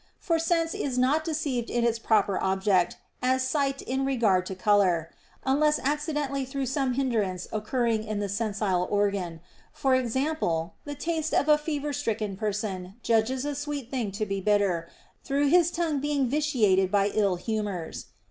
For sense is not deceived in its proper object, as sight in regard to color; [unless] accidentally through some hindrance occurring to the sensile organ for example, the taste of a fever stricken person judges a sweet thing to be bitter, through his tongue being vitiated by ill humors.